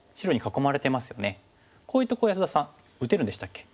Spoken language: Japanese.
こういうとこ安田さん打てるんでしたっけ？